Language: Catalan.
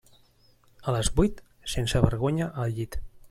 A les vuit, sense vergonya al llit.